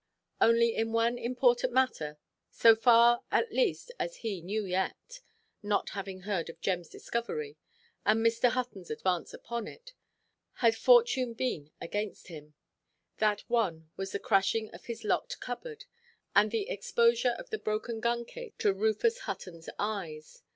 Only in one important matter—so far at least as he knew yet, not having heard of Jemʼs discovery, and Mr. Huttonʼs advance upon it—had fortune been against him; that one was the crashing of his locked cupboard, and the exposure of the broken gun–case to Rufus Huttonʼs eyes.